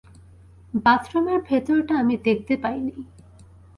বাথরুমের ভেতরটা আমি দেখতে পাই নি।